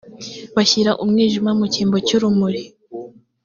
bashyira umwijima mu cyimbo cyurumuri.